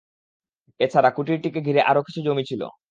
এ-ছাড়া, কুটিরটিকে ঘিরে আরও কিছু জমি ছিল।